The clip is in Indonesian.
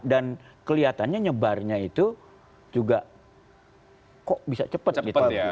dan kelihatannya nyebarnya itu juga kok bisa cepat gitu